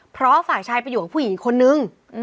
เพราะฝ่ายชายไปอยู่กับผู้หญิงอีกคนนึง